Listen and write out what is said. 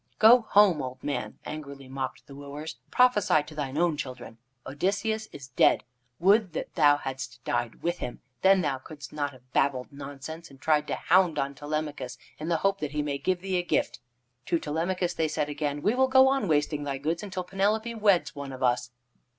"Go home, old man," angrily mocked the wooers. "Prophesy to thine own children. Odysseus is dead. Would that thou hadst died with him. Then thou couldst not have babbled nonsense, and tried to hound on Telemachus in the hope that he may give thee a gift." To Telemachus they said again: "We will go on wasting thy goods until Penelope weds one of us."